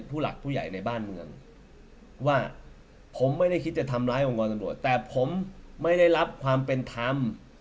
แต่ผมไม่ได้รับความเป็นธรรม